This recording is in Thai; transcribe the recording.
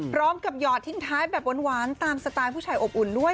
หยอดทิ้งท้ายแบบหวานตามสไตล์ผู้ชายอบอุ่นด้วย